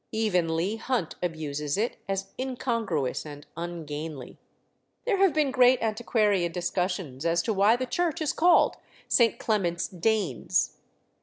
Even Leigh Hunt abuses it as "incongruous and ungainly." There have been great antiquarian discussions as to why the church is called St. Clement's "Danes."